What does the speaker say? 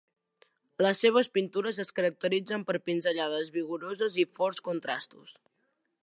Les seves pintures es caracteritzen per pinzellades vigoroses i forts contrastos.